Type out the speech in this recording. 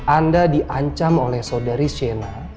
anda diancam oleh saudari shena